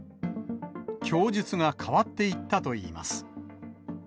供述が変わっていったといいます。